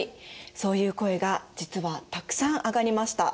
そういう声が実はたくさん上がりました。